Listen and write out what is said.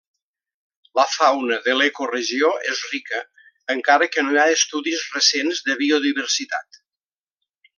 La fauna de l'ecoregió és rica, encara que no hi ha estudis recents de biodiversitat.